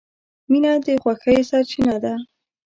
• مینه د خوښۍ سرچینه ده.